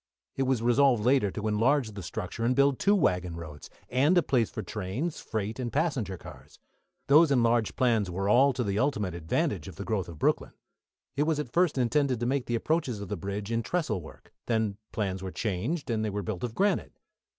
It was resolved later to enlarge the structure and build two waggon roads, and a place for trains, freight, and passenger cars. Those enlarged plans were all to the ultimate advantage of the growth of Brooklyn. It was at first intended to make the approaches of the bridge in trestle work, then plans were changed and they were built of granite.